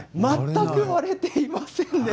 全く割れていません。